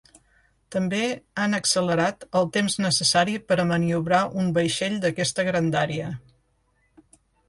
També han accelerat el temps necessari per a maniobrar un vaixell d’aquesta grandària.